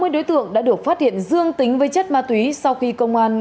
hai mươi đối tượng đã được phát hiện dương tính với chất ma túy sau khi công an